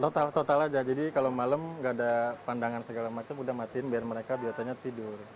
total total aja jadi kalau malam gak ada pandangan segala macam udah matiin biar mereka biasanya tidur